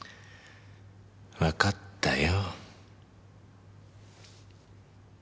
わかったよ。